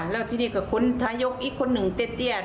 แล้วที่นี่ก็คุณทายกอีกคนหนึ่งเต้นเตี้ย